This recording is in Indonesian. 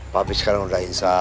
papi sekarang udah insya